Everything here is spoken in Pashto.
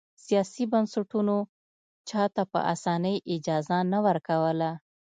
سیاسي بنسټونو چا ته په اسانۍ اجازه نه ورکوله.